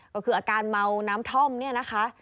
ก็คืออาการเมาน้ำท่อมเนี่ยนะคะ